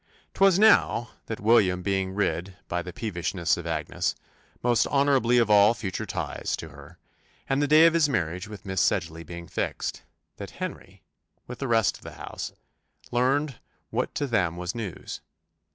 'Twas now, that William being rid, by the peevishness of Agnes, most honourably of all future ties to her, and the day of his marriage with Miss Sedgeley being fixed, that Henry, with the rest of the house, learnt what to them was news.